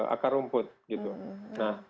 akar rumput gitu nah